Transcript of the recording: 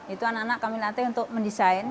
itu anak anak kami latih untuk mendesain